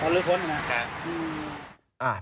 ตอนที่เดินกันเลย